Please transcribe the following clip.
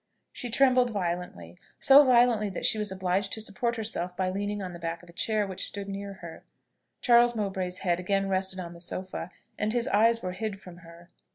She trembled violently; so violently, that she was obliged to support herself by leaning on the back of a chair which stood near her. Charles Mowbray's head again rested on the sofa, and his eyes were hid from her.